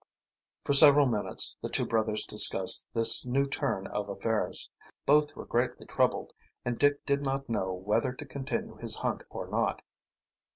For several minutes the two brothers discussed this new turn of affairs. Both were greatly troubled, and Dick did not know whether to continue his hunt or not.